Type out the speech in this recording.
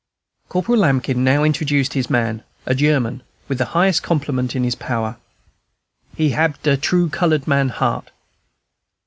Corporal Lambkin now introduced his man, a German, with the highest compliment in his power, "He hab true colored man heart."